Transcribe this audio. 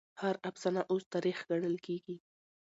هر افسانه اوس تاريخ ګڼل کېږي.